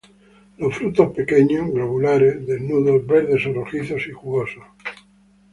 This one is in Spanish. Los frutos pequeños, globulares, desnudos, verdes o rojizos y jugosos.